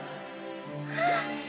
あっ！